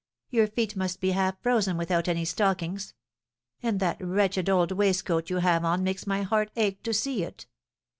Your feet must be half frozen without any stockings; and that wretched old waistcoat you have on makes my heart ache to see it.